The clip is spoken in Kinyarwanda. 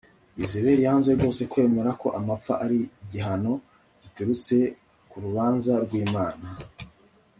Yezebeli yanze rwose kwemera ko amapfa ari gihano giturutse ku rubanza rwImana